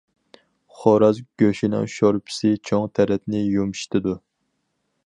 خوراز گۆشىنىڭ شورپىسى چوڭ تەرەتنى يۇمشىتىدۇ.